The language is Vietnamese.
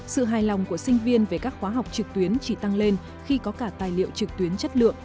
sự hài lòng của sinh viên về các khóa học trực tuyến chỉ tăng lên khi có cả tài liệu trực tuyến chất lượng